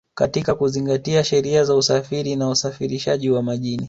katika kuzingatia sheria za usafiri na usafirishaji wa majini